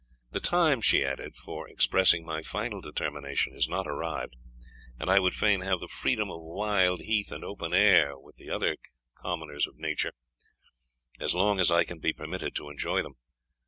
The time," she added, "for expressing my final determination is not arrived, and I would fain have the freedom of wild heath and open air with the other commoners of nature, as long as I can be permitted to enjoy them.